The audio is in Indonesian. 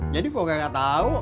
jadi kok gak tau